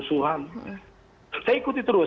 saya ikuti terus